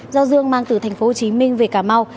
do dương mang từ thành phố hồ chí minh về cà mau